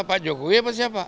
pak jokowi apa siapa